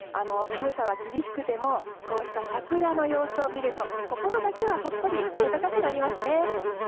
寒さは厳しくてもこうした桜の様子を見ると心だけはほっこり温かくなりますね。